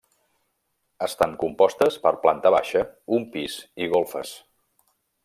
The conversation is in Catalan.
Estan compostes per planta baixa, un pis i golfes.